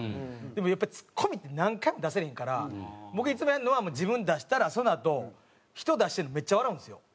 でもやっぱりツッコミって何回も出されへんから僕いつもやるのは自分出したらそのあと人出してるのめっちゃ笑うんですよ。